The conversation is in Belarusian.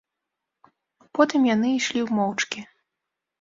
Потым яны ішлі моўчкі.